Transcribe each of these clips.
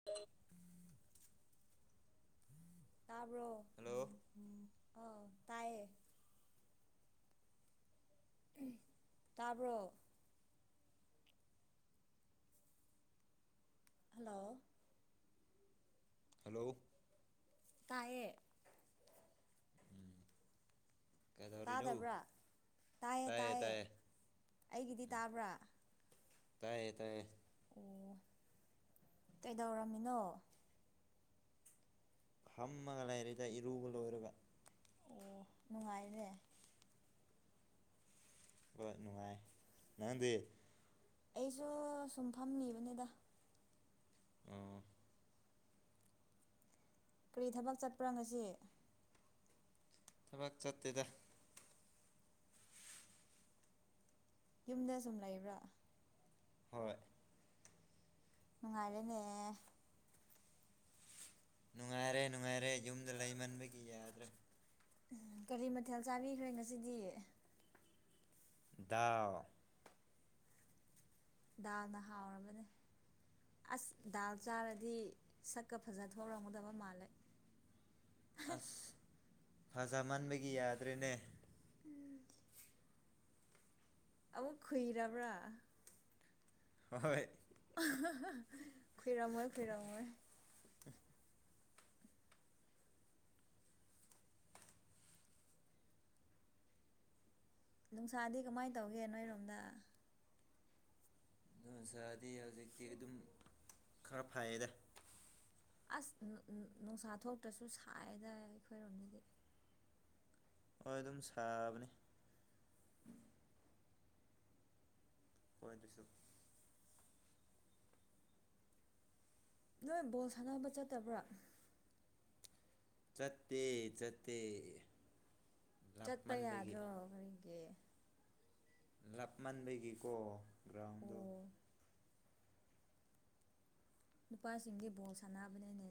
[inaudible] ꯇꯥꯕ꯭ꯔꯣ ꯑ ꯍꯜꯂꯣ ꯎꯝ ꯑꯥ ꯇꯥꯏꯌꯦ ꯇꯥꯕ꯭ꯔꯣ ꯍꯜꯂꯣ ꯍꯜꯂꯣ ꯇꯥꯏꯌꯦ ꯎꯝ ꯀꯩꯗꯧꯔꯤꯅꯣ ꯇꯥꯗꯕ꯭ꯔꯥ ꯇꯥꯏꯌꯦ ꯇꯥꯏꯌꯦ ꯑꯩꯒꯤꯗꯤ ꯇꯥꯕ꯭ꯔꯥ ꯇꯥꯏꯌꯦ ꯇꯥꯏꯌꯦ ꯑꯣ ꯀꯩꯗꯧꯔꯝꯃꯤꯅꯣ ꯐꯝꯃꯒ ꯂꯩꯥꯔꯤꯗ ꯏꯔꯨꯕ ꯂꯣꯏꯔꯒ ꯑꯣ ꯅꯨꯡꯉꯥꯏꯔꯦ ꯍ‌ꯣꯏ ꯅꯨꯡꯉꯥꯏ ꯅꯪꯗꯤ ꯑꯩꯁꯨ ꯁꯨꯝꯐꯝꯃꯤꯕꯅꯤꯗ ꯑꯣ ꯀ꯭ꯔꯤ ꯊꯕꯛ ꯆꯠꯄ꯭ꯔꯥ ꯉꯁꯤ ꯊꯕꯛ ꯆꯠꯇꯦꯗ ꯌꯨꯝꯗ ꯁꯨꯝ ꯂꯩꯕ꯭ꯔꯥ ꯍꯣꯏ ꯅꯨꯡꯉꯥꯏꯔꯦꯅꯦ ꯅꯨꯡꯉꯥꯏꯔꯦ ꯅꯨꯡꯉꯥꯏꯔꯦ ꯌꯨꯝꯗ ꯂꯩꯃꯟꯕꯒꯤ ꯌꯥꯗ꯭ꯔꯦ ꯀꯔꯤ ꯃꯥꯊꯦꯜ ꯆꯥꯕꯤꯈ꯭ꯔꯦ ꯉꯁꯤꯗꯤ ꯗꯥꯎ ꯗꯥꯜꯅ ꯍꯥꯎꯔꯕꯅꯦ ꯑꯁ ꯗꯥꯜ ꯆꯥꯔꯗꯤ ꯁꯛꯀ ꯐꯖꯊꯣꯔꯛꯀꯗꯕ ꯃꯥꯜꯂꯦ ꯑꯁ ꯐꯖ ꯃꯟꯕꯒꯤ ꯌꯥꯗ꯭ꯔꯦꯅꯦ ꯑꯃꯨꯛ ꯈꯨꯏꯔꯕ꯭ꯔꯥ ꯍꯣꯏ ꯈꯨꯏꯔꯝꯃꯣꯏ ꯈꯨꯏꯔꯝꯃꯣꯏ ꯅꯨꯡꯁꯥꯗꯤ ꯀꯃꯥꯏ ꯇꯧꯒꯦ ꯅꯣꯏꯔꯣꯝꯗ ꯅꯨꯡꯁꯥꯗꯤ ꯍꯧꯖꯤꯛꯇꯤ ꯑꯗꯨꯝ ꯈꯔ ꯐꯩꯌꯦꯗ ꯑꯁ ꯅꯨꯡꯁꯥ ꯊꯣꯛꯇ꯭ꯔꯁꯨ ꯁꯥꯏꯗ ꯑꯩꯈꯣꯏꯔꯣꯝꯗꯗꯤ ꯍꯣꯏ ꯑꯗꯨꯝ ꯁꯥꯕꯅꯤ ꯍꯣꯏ ꯑꯗꯨꯁꯨ ꯅꯣꯏ ꯕꯣꯜ ꯁꯥꯟꯅꯕ ꯆꯠꯇꯕ꯭ꯔꯥ ꯆꯠꯇꯦ ꯆꯠꯇꯦ ꯆꯠꯄ ꯂꯥꯞꯃꯟꯕꯒꯤ ꯌꯥꯗ꯭ꯔꯣ ꯀꯔꯤꯒꯤ ꯂꯥꯞꯃꯟꯕꯒꯤꯀꯣ ꯒ꯭ꯔꯥꯎꯟꯗꯣ ꯑꯣ ꯅꯨꯄꯥꯁꯤꯡꯗꯤ ꯕꯣꯜ ꯁꯥꯟꯅꯕꯅꯤꯅꯦ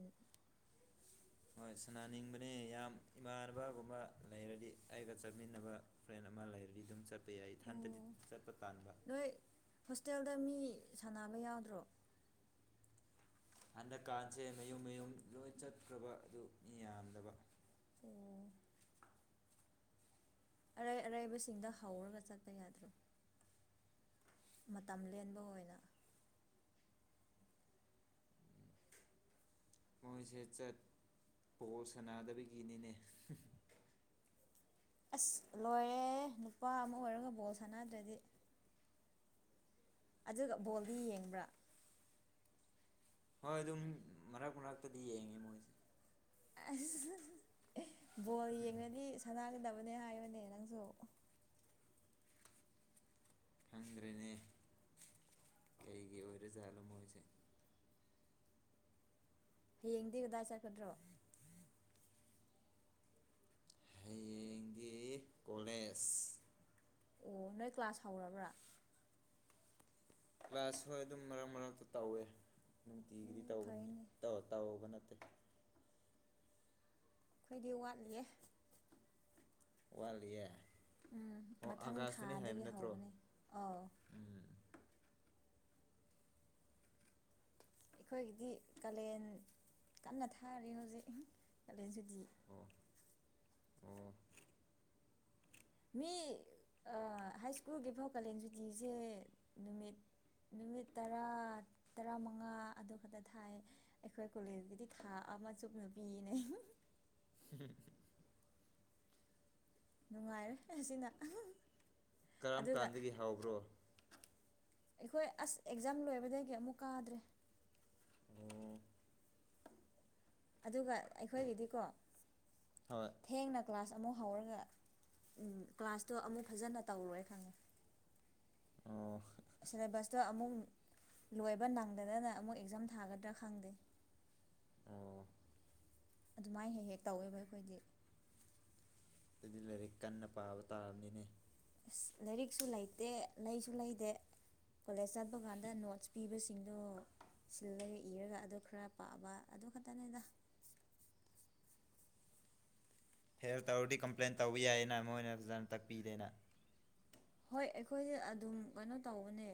ꯍꯣꯏ ꯁꯅꯥꯅꯤꯡꯕꯅꯤ ꯌꯥꯝ ꯏꯃꯥꯟꯅꯕꯒꯨꯝꯕ ꯂꯩꯔꯗꯤ ꯑꯩꯒ ꯆꯠꯃꯤꯟꯅꯕ ꯐ꯭ꯔꯦꯟ ꯑꯃ ꯂꯩꯔꯗꯤ ꯑꯗꯨꯝ ꯆꯠꯄ ꯌꯥꯏ ꯏꯊꯟꯇꯗꯤ ꯑꯣ ꯆꯠꯄ ꯇꯥꯟꯕ ꯅꯣꯏ ꯍꯣꯁꯇꯦꯜꯗ ꯃꯤ ꯁꯥꯟꯅꯕ ꯌꯥꯎꯗ꯭ꯔꯣ ꯍꯟꯗꯛꯀꯥꯟꯁꯦ ꯃꯌꯨꯝ ꯃꯌꯨꯝ ꯂꯣꯏ ꯆꯠꯈ꯭ꯔꯕ ꯑꯗꯨ ꯃꯤ ꯌꯥꯝꯗꯕ ꯑ‌ꯣ ꯑꯔꯩ ꯑꯔꯩꯕꯁꯤꯡꯗ ꯍꯧꯔꯒ ꯆꯠꯄ ꯌꯥꯗ꯭ꯔꯣ ꯃꯇꯝ ꯂꯦꯟꯕ ꯑꯣꯏꯅ ꯃꯣꯏꯁꯦ ꯆꯠ ꯕ‌ꯣꯜ ꯁꯥꯟꯅꯗꯕꯒꯤꯅꯤꯅꯦ ꯑꯁ ꯂꯣꯏꯔꯦ ꯅꯨꯄꯥ ꯑꯃ ꯑꯣꯏꯔꯒ ꯕꯣꯜ ꯁꯥꯟꯅꯗ꯭ꯔꯗꯤ ꯑꯗꯨꯒ ꯕꯣꯜꯗꯤ ꯌꯦꯡꯕ꯭ꯔꯥ ꯍꯣꯏ ꯑꯗꯨꯝ ꯃꯔꯛ ꯃꯔꯛꯇꯗꯤ ꯌꯦꯡꯉꯦ ꯃꯣꯏꯁꯦ ꯑꯁ ꯕꯣꯜ ꯌꯦꯡꯉꯗꯤ ꯁꯥꯟꯅꯒꯗꯕꯅꯦ ꯍꯥꯏꯕꯅꯦ ꯅꯪꯁꯨ ꯈꯪꯗ꯭ꯔꯦꯅꯦ ꯀꯩꯒꯤ ꯑꯣꯏꯔꯖꯥꯠꯅꯣ ꯃꯣꯏꯁꯦ ꯍꯩꯌ‌ꯦꯡꯗꯤ ꯀꯗꯥꯏ ꯆꯠꯀꯗ꯭ꯔꯥ ꯍꯌꯦꯡꯗꯤ ꯀꯣꯂꯦꯖ ꯑꯣ ꯅꯣꯏ ꯀ꯭ꯂꯥꯁ ꯍꯧꯔꯕ꯭ꯔꯥ ꯀ꯭ꯂꯥꯁ ꯍꯣꯏ ꯑꯗꯨꯝ ꯃꯔꯛ ꯃꯔꯛꯇ ꯇꯧꯋꯦ ꯅꯨꯡꯇꯤꯒꯤꯗꯤ ꯎꯝ ꯇꯧꯕꯅꯤ ꯐꯔꯦꯅꯦ ꯇꯧ ꯇꯧꯕ ꯅꯠꯇꯦ ꯑꯩꯈꯣꯏꯗꯤ ꯋꯥꯠꯂꯤꯌꯦ ꯋꯥꯠꯂꯤꯌꯦ ꯎꯝ ꯑꯣ ꯃꯊꯪ ꯑꯥꯒꯥꯥꯁꯇꯅꯤ ꯍꯥꯏꯕ ꯊꯥꯗꯒꯤ ꯅꯠꯇ꯭ꯔꯣ ꯍꯧꯒꯅꯤ ꯑꯧ ꯎꯝ ꯑꯩꯈꯣꯏꯒꯤꯗꯤ ꯀꯥꯂꯦꯟ ꯀꯟꯅ ꯊꯥꯔꯦ ꯍꯧꯖꯤꯛ ꯀꯥꯂꯦꯟꯁꯤꯗꯤ ꯑꯣ ꯑꯣ ꯃꯤ ꯍꯥꯏꯁ꯭ꯀꯨꯜꯒꯤꯐꯥꯎ ꯀꯥꯂꯦꯟ ꯁꯨꯇꯤꯁꯦ ꯅꯨꯃꯤꯠ ꯅꯨꯃꯤꯠ ꯇꯔꯥ ꯇꯔꯥꯃꯉꯥ ꯑꯗꯨ ꯈꯛꯇ ꯊꯥꯏ ꯑꯩꯈꯣꯏ ꯀꯣꯂꯦꯖꯀꯤꯗꯤ ꯊꯥ ꯑꯃ ꯆꯨꯞ ꯅꯨ ꯄꯤꯅꯦ [inaudible] ꯅꯨꯡꯉꯥꯏꯔ ꯑꯁꯤꯅ ꯀꯔꯝ ꯑꯗꯨꯒ ꯀꯥꯟꯗꯒꯤ ꯍꯧꯕ꯭ꯔꯣ ꯑꯩꯈꯣꯏ ꯑꯁ ꯑꯦꯛꯖꯥꯝ ꯂꯣꯏꯕꯗꯒꯤ ꯑꯃꯨꯛ ꯀꯥꯗ꯭ꯔꯦ ꯑꯣ ꯑꯗꯨꯒ ꯑꯩꯈꯣꯏꯒꯤꯗꯤꯀꯣ ꯍꯣꯏ ꯊꯦꯡꯅ ꯀ꯭ꯂꯥꯁ ꯑꯃꯨꯛ ꯍꯧꯔꯒ ꯀ꯭ꯂꯥꯁꯇꯣ ꯑꯃꯨꯛ ꯐꯖꯅ ꯇꯧꯔꯣꯏ ꯈꯪꯉꯦ ꯑꯣ ꯁꯤꯂꯦꯕꯁꯇꯣ ꯑꯃꯨꯛ ꯂꯣꯏꯕ ꯅꯪꯗꯗꯅ ꯑꯃꯨꯛ ꯑꯦꯛꯖꯥꯝ ꯊꯥꯒꯗ꯭ꯔꯥ ꯈꯪꯗꯦ ꯑꯣ ꯑꯗꯨꯃꯥꯏꯅ ꯍꯦꯛ ꯍꯦꯛ ꯇꯧꯋꯦꯕ ꯑꯩꯈꯣꯏꯗꯤ ꯑꯗꯨꯗꯤ ꯂꯥꯏꯔꯤꯛ ꯀꯟꯅ ꯄꯥꯕ ꯇꯥꯕꯅꯤꯅꯦ ꯑꯁ ꯂꯥꯏꯔꯤꯛꯁꯨ ꯂꯩꯇꯦ ꯂꯩꯁꯨ ꯂꯩꯇꯦ ꯀꯣꯂꯦꯖ ꯆꯠꯄ ꯀꯥꯟꯗ ꯅꯣꯠꯁ ꯄꯤꯕꯁꯤꯡꯗꯣ ꯁꯤꯜꯂꯒ ꯏꯔꯒ ꯑꯗꯨ ꯈꯔ ꯄꯥꯕ ꯑꯗꯨ ꯈꯛꯇꯅꯤꯗ ꯐꯦꯔ ꯇꯧꯔꯗꯤ ꯀꯝꯄ꯭ꯂꯦꯟ ꯇꯧꯕ ꯌꯥꯏꯌꯦꯅ ꯃꯣꯏꯅ ꯐꯖꯅ ꯇꯥꯛꯄꯤꯗꯦꯅ ꯍꯣꯏ ꯑꯩꯈꯣꯏꯁꯦ ꯑꯗꯨꯝ ꯀꯩꯅꯣ ꯇꯧꯕꯅꯦ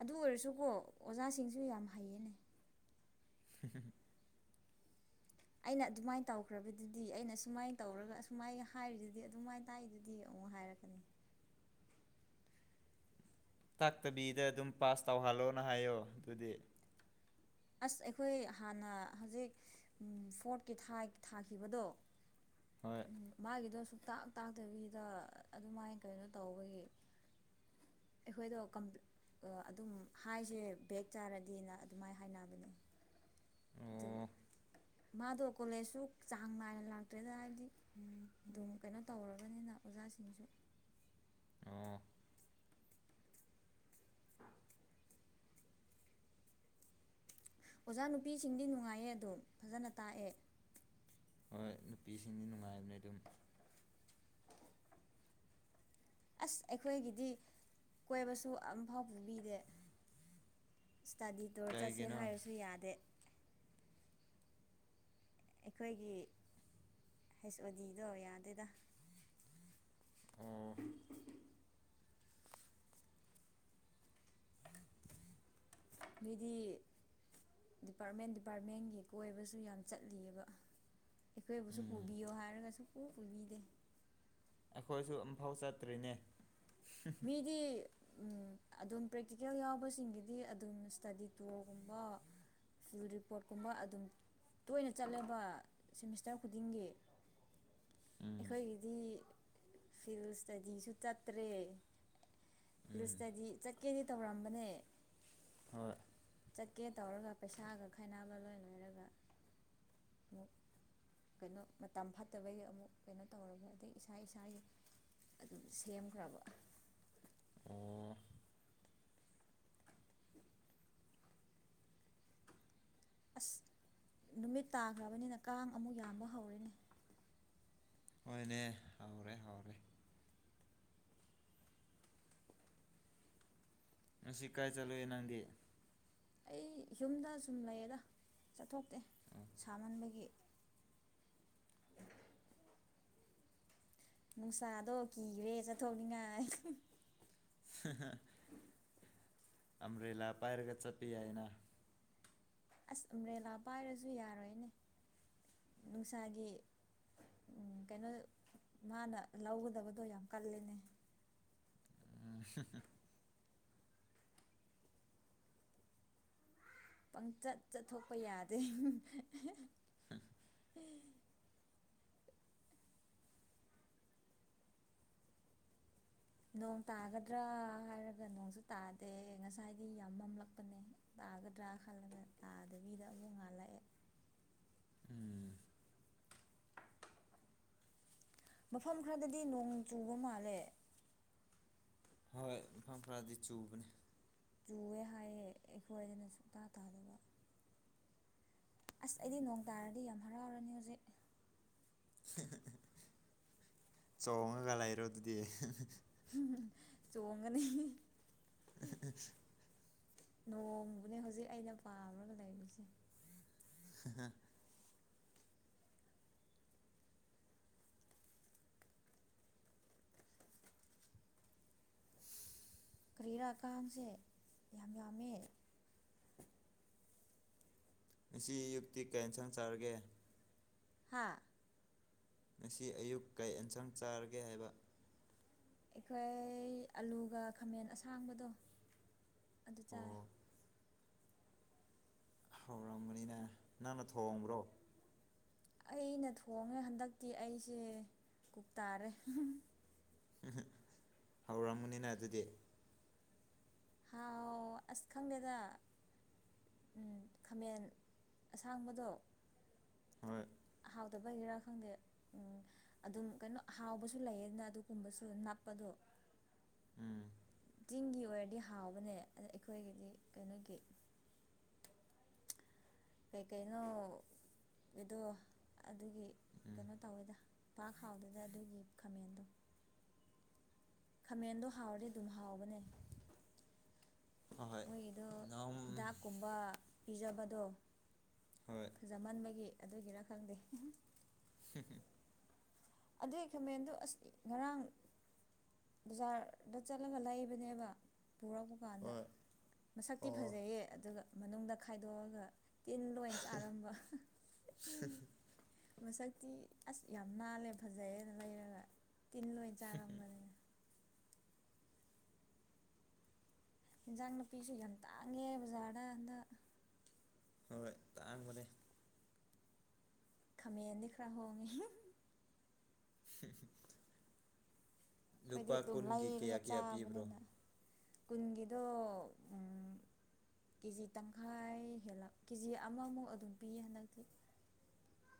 ꯑꯗꯨ ꯑꯣꯏꯔꯁꯨꯀꯣ ꯑꯣꯖꯥꯁꯤꯡꯁꯨ ꯌꯥꯝ ꯍꯩꯌꯦꯅꯦ ꯍꯨꯝ ꯍꯨꯝ ꯑꯩꯅ ꯑꯗꯨꯃꯥꯏꯅ ꯇꯧꯈ꯭ꯔꯕꯗꯨꯗꯤ ꯑꯩꯅ ꯁꯨꯃꯥꯏꯅ ꯇꯧꯔꯒ ꯑꯨꯃꯥꯏ ꯍꯥꯏꯔꯤꯗꯨꯗꯤ ꯑꯗꯨꯃꯥꯏꯅ ꯇꯥꯏꯗꯨꯗꯤ ꯑꯃꯨꯛ ꯍꯥꯏꯔꯛꯀꯅꯤ ꯇꯥꯛꯇꯕꯤꯗ ꯑꯗꯨꯝ ꯄꯥꯁ ꯇꯧꯍꯜꯂꯣꯅ ꯍꯥꯏꯌꯣ ꯑꯗꯨꯗꯤ ꯑꯁ ꯑꯩꯈꯣꯏ ꯍꯥꯟꯅ ꯍꯧꯖꯤꯛ ꯐꯣꯔꯠꯀꯤ ꯊꯥꯈꯤꯕꯗꯣ ꯍꯣꯏ ꯃꯥꯒꯤꯗꯣ ꯁꯨꯛꯇꯥꯛ ꯇꯥꯛꯇꯕꯤꯗ ꯑꯗꯨꯃꯥꯏꯅ ꯀꯩꯅꯣ ꯇꯧꯕꯒꯤ ꯑꯩꯈꯣꯏꯗꯣ ꯑꯗꯨꯝ ꯍꯥꯏꯁꯦ ꯕꯦꯛ ꯆꯥꯔꯗꯤꯅ ꯑꯗꯨꯃꯥꯏ ꯍꯥꯏꯅ [unintelligible] ꯑꯗꯨ ꯑꯣ ꯃꯥꯗꯣ ꯀꯣꯂꯦꯖꯁꯨ ꯆꯥꯡ ꯅꯥꯏꯅ ꯂꯥꯛꯇ꯭ꯔꯦꯗ ꯍꯥꯏꯕꯗꯤ ꯎꯝ ꯑꯗꯨꯝ ꯀꯩꯅꯣ ꯇꯧꯔꯕꯅꯤꯅ ꯑꯣꯖꯥꯁꯤꯡꯁꯨ ꯑꯣ ꯑꯣꯖꯥ ꯅꯨꯄꯤꯁꯤꯡꯗꯤ ꯅꯨꯡꯉꯥꯏꯌꯦ ꯑꯗꯨꯝ ꯐꯖꯅ ꯇꯥꯛꯑꯦ ꯍꯣꯏ ꯅꯨꯄꯤꯁꯤꯡꯗꯤ ꯅꯨꯡꯉꯥꯏꯕꯅꯦ ꯑꯗꯨꯝ ꯑꯁ ꯑꯩꯈꯣꯏꯒꯤꯗꯤ ꯀꯣꯏꯕꯁꯨ ꯑꯝꯐꯥꯎ ꯄꯨꯕꯤꯗꯦ ꯏꯁꯇꯗꯤ ꯇꯣꯔ ꯆꯠꯁꯦ ꯀꯩꯒꯤꯅꯣ ꯍꯥꯏꯔꯁꯨ ꯌꯥꯗꯦ ꯑꯩꯈꯣꯏꯒꯤ ꯍꯩꯁ ꯑꯣ ꯗꯤꯗꯣ ꯌꯥꯗꯦꯗ ꯑ ꯃꯤꯗꯤ ꯗꯤꯄꯥꯔꯠꯃꯦꯟ ꯗꯤꯄꯥꯔꯠꯃꯦꯟꯒꯤ ꯀꯣꯏꯕꯁꯨ ꯌꯥꯝ ꯆꯠꯂꯤꯑꯕ ꯑꯩꯈꯣꯏꯕꯨꯁꯨ ꯎꯝ ꯄꯨꯕꯤꯌꯣ ꯍꯥꯏꯔꯒꯁꯨ ꯀ ꯄꯨꯕꯤꯗꯦ ꯑꯩꯈꯣꯏꯁꯨ ꯑꯃꯝꯐꯥꯎ ꯆꯠꯇ꯭ꯔꯤꯅꯦ ꯃꯤꯗꯤ ꯎꯝ ꯑꯗꯨꯝ ꯄ꯭ꯔꯦꯛꯇꯤꯀꯦꯜ ꯌꯥꯎꯕꯁꯤꯡꯒꯤꯗꯤ ꯑꯗꯨꯝ ꯏꯁꯇꯗꯤ ꯇꯣꯔꯒꯨꯝꯕ ꯨ ꯔꯤꯄꯣꯔꯠꯀꯨꯝꯕ ꯑꯗꯨꯝ ꯇꯣꯏꯅ ꯆꯠꯂꯦꯕ ꯁꯤꯃꯤꯁꯇꯔ ꯈꯨꯗꯤꯡꯒꯤ ꯎꯝ ꯑꯩꯈꯣꯏꯒꯤꯗꯤ ꯐꯤꯜ ꯏꯁꯇꯗꯤꯁꯨ ꯆꯠꯇ꯭ꯔꯦ ꯎꯝ ꯐꯤꯔꯣꯁꯇꯗꯤ ꯆꯠꯀꯦꯗꯤ ꯇꯧꯔꯝꯕꯅꯦ ꯍꯣꯏ ꯆꯠꯀꯦ ꯇꯧꯔꯒ ꯄꯩꯁꯥꯒ ꯈꯥꯏꯅꯕ ꯂꯣꯏ ꯂꯣꯏꯔꯒ ꯃꯨꯛ ꯀꯩꯅꯣ ꯃꯇꯝ ꯐꯠꯇꯕꯒꯤ ꯑꯃꯨꯛ ꯀꯩꯅꯣ ꯇꯧꯔꯒ ꯑꯗꯩ ꯏꯁꯥ ꯏꯁꯥꯒꯤ ꯑꯗꯨ ꯁꯦꯝꯈ꯭ꯔꯕ ꯑ ꯑꯁ ꯅꯨꯃꯤꯠ ꯇꯥꯈ꯭ꯔꯕꯅꯤꯅ ꯀꯥꯡ ꯑꯃꯨꯛ ꯌꯥꯝꯕ ꯍꯧꯔꯦꯅꯦ ꯍꯣꯏꯅꯦ ꯍꯎꯔꯦ ꯍꯥꯎꯔꯦ ꯉꯁꯤ ꯀꯥꯏ ꯆꯠꯂꯨꯌꯦ ꯅꯪꯗꯤ ꯑꯩ ꯌꯨꯝꯗ ꯁꯨꯝ ꯂꯩꯌꯦꯗ ꯆꯠꯊꯣꯛꯇꯦ ꯎꯝ ꯁꯥꯃꯟꯕꯒꯤ ꯅꯨꯡꯁꯥꯗꯣ ꯀꯤꯒꯔꯦ ꯆꯠꯊꯣꯛꯅꯤꯡꯉꯥꯏ ꯍ ꯍ ꯑꯝꯕ꯭ꯔꯦꯂꯥ ꯄꯥꯏꯔꯒ ꯆꯠꯄ ꯌꯥꯏꯦꯅ ꯑꯁ ꯑꯔꯦꯂꯥ ꯄꯥꯏꯔꯁꯨ ꯌꯥꯔꯣꯏꯅꯦ ꯅꯨꯡꯁꯥꯒꯤ ꯎꯝ ꯀꯩꯅꯣ ꯃꯥꯅ ꯂꯧꯒꯗꯕꯗꯣ ꯌꯥꯝ ꯀꯜꯂꯤꯦꯅꯦ ꯍꯍꯝ ꯄꯪꯆꯠ ꯆꯠꯊꯣꯛꯄ ꯌꯥꯗꯦ ꯍꯝ ꯅꯣꯡ ꯇꯥꯒꯗ꯭ꯔꯥ ꯍꯥꯏꯔꯒ ꯅꯣꯡꯁꯨ ꯇꯥꯗꯦ ꯉꯁꯥꯏꯗꯤ ꯌꯥꯝ ꯃꯝꯂꯛꯄꯅꯦ ꯇꯥꯒꯗ꯭ꯔꯥ ꯈꯜꯂꯒ ꯇꯥꯗꯕꯤꯗ ꯑꯃꯨꯛ ꯉꯜꯂꯛꯑꯦ ꯎꯝ ꯃꯐꯝ ꯈꯔꯗꯗꯤ ꯅꯣꯡ ꯆꯨꯕ ꯃꯥꯜꯂꯦ ꯍꯣꯏ ꯃꯐꯝ ꯐꯔꯗꯤ ꯆꯨꯕꯅꯤ ꯆꯨꯑꯦ ꯍꯥꯏꯌꯦꯦ ꯑꯩꯈꯣꯏꯗꯅ ꯁꯨꯛꯇꯇꯥ ꯇꯥꯗꯕ ꯑꯁ ꯑꯩꯗꯤ ꯅꯣꯡ ꯇꯥꯔꯗꯤ ꯌꯥꯝ ꯍꯔꯥꯎꯔꯅꯤ ꯍꯣꯖꯤꯛ ꯆꯣꯡꯉꯒ ꯂꯩꯔꯣ ꯑꯗꯨꯗꯤ ꯎ ꯆꯣꯡꯒꯅꯤ [inaudible] ꯅꯣꯡꯕꯨꯅꯦ ꯍꯧꯖꯤꯛ ꯑꯩꯅ ꯄꯥꯝꯔꯒ ꯂꯩꯔꯤꯕꯁꯦ ꯍ ꯀꯔꯤꯔꯛ ꯀꯥꯡꯁꯦ ꯌꯥꯝ ꯌꯥꯝꯃꯦ ꯉꯁꯤ ꯑꯌꯨꯛꯇꯤ ꯀꯩ ꯍꯦꯟꯖꯥꯡ ꯆꯥꯔꯒꯦ ꯍꯥꯥ ꯉꯁꯤ ꯑꯌꯨꯛ ꯀꯩ ꯑꯦꯟꯁꯥꯡ ꯆꯥꯔꯒꯦ ꯍꯥꯏꯕ ꯑꯩꯈꯣꯏ ꯑꯂꯨꯒ ꯈꯥꯃꯦꯟ ꯑꯁꯥꯡꯕꯗꯣ ꯑꯗꯨ ꯆꯥꯏ ꯑꯣ ꯍꯧꯔꯝꯕꯅꯤꯅ ꯅꯪꯅ ꯊꯣꯡꯕ꯭ꯔꯣ ꯑꯩꯅ ꯊꯣꯡꯉꯦ ꯍꯟꯗꯛꯇꯤ ꯑꯩꯁꯦ ꯀꯨꯛ ꯇꯥꯥꯔꯦ ꯍꯝꯍꯝ ꯍꯥꯎꯔꯝꯒꯅꯤꯅ ꯑꯗꯨꯗꯤ ꯍꯥꯎ ꯑꯁ ꯈꯪꯗꯦꯗ ꯎꯝ ꯈꯥꯃꯦꯟ ꯑꯁꯥꯡꯕꯗꯣ ꯍꯣꯏ ꯍꯥꯎꯗꯕꯒꯦꯔꯥ ꯈꯪꯗꯦ ꯎꯝ ꯑꯗꯨꯝ ꯀꯟꯅꯣ ꯍꯥꯎꯕꯁꯨ ꯂꯩꯌꯦꯠꯅ ꯑꯗꯨꯒꯨꯝꯕꯁꯨ ꯅꯞꯄꯗꯣ ꯎꯝ ꯆꯤꯡꯒꯤ ꯑꯣꯏꯔꯗꯤ ꯍꯥꯎꯕꯅꯦ ꯑꯗ ꯑꯩꯈꯣꯏꯒꯤꯗꯤ ꯀꯩꯅꯣꯒꯤ ꯀꯩꯀꯩꯅꯣꯗꯣ ꯑꯗꯨꯒꯤ ꯎꯝ ꯀꯩꯅꯣ ꯇꯧꯋꯦꯗ ꯄꯥꯛ ꯍꯥꯎꯗꯦꯗ ꯑꯗꯨꯒꯤ ꯈꯥꯃꯦꯟꯗꯣ ꯈꯥꯃꯦꯟꯗꯣ ꯍꯥꯎꯔꯗꯤ ꯑꯗꯨꯝ ꯍꯥꯎꯕꯅꯦ ꯑꯍꯣꯏ ꯃꯣꯏꯒꯤꯗꯨ ꯅꯝ ꯍꯤꯗꯥꯛꯀꯨꯝꯕ ꯄꯤꯖꯕꯗꯣ ꯍꯣꯏ ꯖꯃꯟꯕꯒꯤ ꯑꯗꯨꯒꯤꯔ ꯈꯪꯗꯦ ꯍꯝ ꯍꯝ [inaudible] ꯑꯗꯨꯒꯤ ꯈꯥꯃꯦꯟꯗꯨ ꯑꯁ ꯉꯔꯥꯡ ꯕꯖꯥꯔꯗ ꯆꯠꯂꯒ ꯂꯩꯥꯏꯕꯅꯦꯕ ꯄꯨꯔꯛꯄ ꯀꯥꯟꯗ ꯍꯣꯏ ꯃꯁꯛꯇꯤ ꯑꯣ ꯐꯖꯩꯌꯦ ꯑꯗꯨꯒ ꯃꯅꯨꯡꯗ ꯈꯥꯏꯗꯣꯛꯑꯒ ꯇꯤꯟ ꯂꯣꯏꯟ ꯌꯥꯎꯔꯝꯕ ꯃꯁꯛꯇꯤ ꯑꯁ ꯌꯥꯝ ꯅꯥꯜꯂꯦꯕ ꯐꯖꯩꯌꯦꯅ ꯂꯩꯔꯒ ꯇꯤꯟ ꯑꯣꯏꯅ ꯆꯥꯔꯝꯕꯅꯤꯅ ꯍꯤꯟꯖꯥꯡ ꯅꯥꯄꯤꯁꯨ ꯌꯥꯝ ꯇꯥꯡꯉꯦ ꯕꯖꯥꯔꯗ ꯍꯟꯗꯥꯛ ꯍꯣꯏ ꯇꯥꯛꯕꯅꯦ ꯈꯥꯃꯦꯟꯗꯤ ꯈꯔ ꯍꯣꯡꯉꯦ ꯍ [inaudible] ꯑꯈꯣꯏꯗꯤ ꯑꯗꯨꯝ ꯀꯌꯥ ꯂꯩꯔꯒ ꯀꯌꯥ ꯄꯤꯕ꯭ꯔꯣ ꯆꯥꯕꯅꯤꯅ ꯀꯨꯟꯒꯤꯗꯣ ꯑꯝ ꯀꯦꯖꯤ ꯇꯪꯈꯥꯏ ꯍꯦꯜꯂꯛ ꯀꯦꯖꯤ ꯑꯃꯃꯨꯛ ꯑꯗꯨꯝ ꯄꯤꯌꯦ ꯍꯟꯗꯛꯇꯤ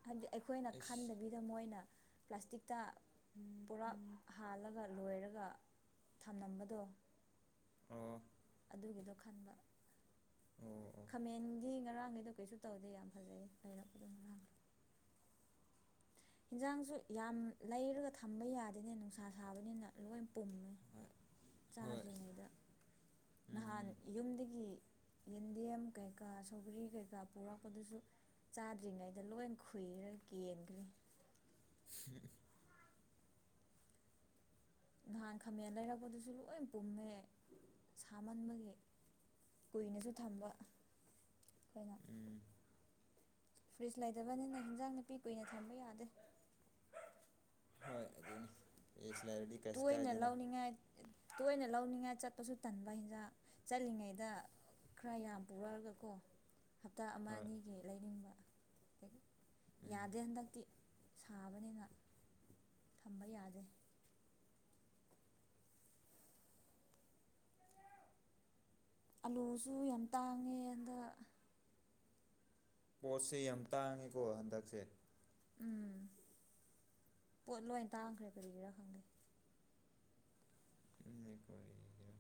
ꯍꯥꯗꯤ ꯑꯩꯈꯣꯏꯅ ꯑꯩꯁ ꯈꯟꯗꯕꯤ ꯃꯣꯏꯅ ꯄ꯭ꯂꯥꯁꯇꯤꯛꯇ ꯑꯝ ꯄꯨꯔꯛ ꯍꯥꯜꯂ ꯒ ꯂꯣꯏꯔꯒ ꯊꯝꯂꯝꯕꯗꯣ ꯑꯝ ꯑꯗꯨꯒꯤꯗꯣ ꯈꯟꯕ ꯑꯣ ꯑꯣ ꯈꯥꯃꯦꯟꯒꯤ ꯉꯔꯥꯡꯈꯩꯗꯣ ꯀꯩꯁꯨ ꯇꯧꯗꯦ ꯌꯥꯝ ꯐꯖꯩ ꯂꯩꯔꯛꯄꯗꯣ ꯉꯔꯥꯡ ꯍꯤꯟꯖꯥꯡꯁꯨ ꯌꯥꯝ ꯂꯩꯔꯒ ꯊꯝꯕ ꯌꯥꯗꯦꯅꯦ ꯅꯨꯡꯁꯥ ꯁꯥꯕꯅꯤꯅ ꯂꯣꯏ ꯄꯨꯝꯃꯦ ꯍꯣꯏ ꯍꯣꯏ ꯆꯥꯗ꯭ꯔꯤꯉꯩꯗ ꯎꯝ ꯅꯍꯥꯟ ꯌꯨꯝꯗꯒꯤ ꯌꯦꯟꯗꯦꯝ ꯀꯩꯀꯥ ꯁꯧꯒꯔꯤ ꯀꯩꯀꯥ ꯄꯨꯔꯛꯄꯗꯁꯨ ꯆꯥꯗ꯭ꯔꯤꯉꯩꯗ ꯂꯣꯏ ꯈꯨꯨꯏꯔ ꯀꯦꯟꯈ꯭ꯔꯦ ꯎꯝ [inaudible] ꯅꯍꯥꯟ ꯈꯥꯃꯦꯟ ꯂꯩꯔꯛꯄꯗꯨꯁꯨ ꯂꯣꯏ ꯄꯨꯝꯃꯦ ꯁꯥꯃꯟꯕꯒꯤ ꯀꯨꯏꯅꯁꯨ ꯊꯝꯕ ꯑꯈꯣꯏꯅ ꯎꯝ ꯐ꯭ꯔꯤꯖ ꯂꯩꯇꯕꯅꯤꯅ ꯍꯤꯟꯖꯥꯡ ꯅꯥꯄꯤ ꯀꯨꯏꯅ ꯊꯝꯕ ꯌꯥꯗ꯭ꯔꯦ ꯍꯣꯏ ꯑꯗꯨꯅꯦ ꯐ꯭ꯔꯦꯁ ꯂꯥꯏꯔꯗꯤ ꯇꯣꯏꯅ ꯂꯧꯅꯤꯡꯉꯥꯏ ꯇꯣꯏꯅ ꯂꯧꯅꯤꯡꯉꯥꯏ ꯆꯠꯄꯁꯨ ꯇꯟꯕ ꯍꯦꯟꯖꯥꯡ ꯆꯠꯂꯤꯉꯩꯗ ꯈꯔ ꯌꯥꯝ ꯄꯨꯔꯛꯑꯒ ꯀꯣ ꯍꯞꯇꯥ ꯑꯃ ꯍꯣꯏ ꯑꯅꯤꯒꯤ ꯂꯩꯅꯤꯡꯕ ꯎꯝ ꯌꯥꯗꯦ ꯍꯟꯗꯛꯇꯤ ꯁꯥꯕꯅꯤꯅ ꯊꯝꯕ ꯌꯥꯗꯦ ꯑꯂꯨꯁꯨ ꯌꯥꯝ ꯇꯥꯡꯉꯦ ꯍꯟꯗꯛ ꯄꯣꯠꯁꯦ ꯌꯥꯝ ꯇꯥꯡꯉꯤꯀꯣ ꯍꯟꯗꯛꯁꯦ ꯎꯝ ꯄꯣꯠ ꯂꯣꯏ ꯇꯥꯡꯈ꯭ꯔꯦ ꯀꯔꯤꯒꯤꯔꯥ ꯈꯪꯗꯦ ꯇꯨꯅꯦ ꯀꯔꯤꯒꯤꯔ